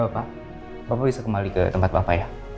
bapak bapak bisa kembali ke tempat bapak ya